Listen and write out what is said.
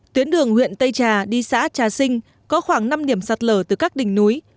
tuyến đường huyện tây trà đi xã trà sinh có khoảng năm điểm sạt lở từ các đỉnh núi